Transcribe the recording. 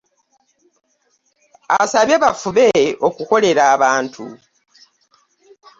Asabye bafube okukolera abantu.